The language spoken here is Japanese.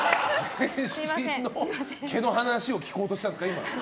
全身の毛の話を聞こうとしたんですか？